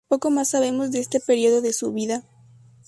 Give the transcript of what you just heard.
Poco más sabemos de este período de su vida.